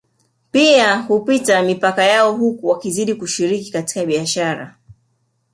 Pia hupita mipaka yao huku wakizidi kushiriki katika biashara